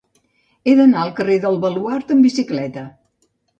He d'anar al carrer del Baluard amb bicicleta.